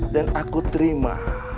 dan aku terima